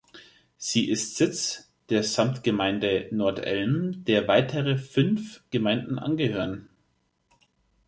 Sie ist Sitz der Samtgemeinde Nord-Elm, der weitere fünf Gemeinden angehören.